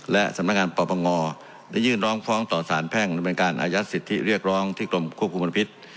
และสำนักงานปปงได้ยื่นร้องฟ้องต่อสารแพ่งดำเนินการอายัดสิทธิเรียกร้องที่กรมควบคุมมลพิษ